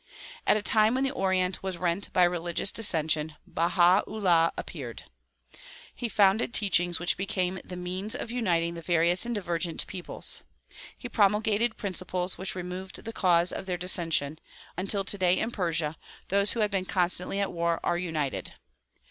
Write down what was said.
At a time when the Orient was rent by religious dissension Baha 'Ullah appeared. He founded teachings which became the means of uniting the various and divergent peoples. He promul gated principles which removed the cause of their dissension, until today in Persia those who had been constantly at war are united.